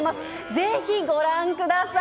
ぜひご覧ください。